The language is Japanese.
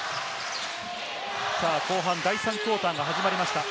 後半、第３クオーターが始まりました。